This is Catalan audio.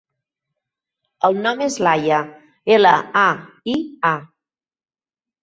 El nom és Laia: ela, a, i, a.